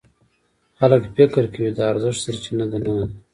خلک فکر کوي د ارزښت سرچینه دننه ده.